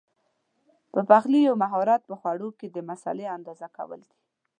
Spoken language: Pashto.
د پخلي یو مهارت په خوړو کې د مسالې اندازه ټاکل دي.